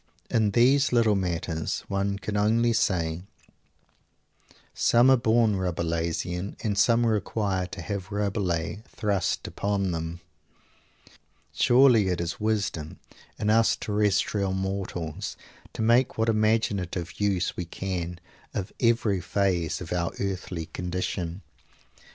In these little matters one can only say, "some are born Rabelaisian, and some require to have Rabelais thrust upon them!" Surely it is wisdom, in us terrestrial mortals, to make what imaginative use we can of every phase of our earthly condition?